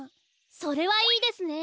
それはいいですね。